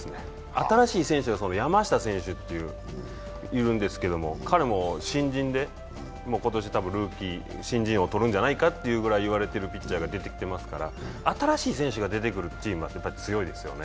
新しい選手で、山下選手というのがいるんですけど、彼も新人で、今年新人王とるんじゃないかっていうぐらいのピッチャーが出てきていますから新しい選手が出てくるチームはやっぱり強いですよね。